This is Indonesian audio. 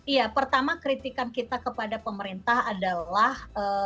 iya pertama kritikan kita kepada pemerintah adalah